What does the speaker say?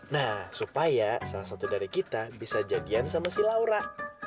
nah supaya salah satu dari kita bisa jadian sama si laura